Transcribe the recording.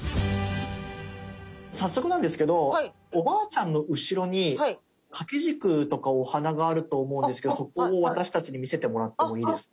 早速なんですけどおばあちゃんの後ろに掛け軸とかお花があると思うんですけどそこを私たちに見せてもらってもいいですか？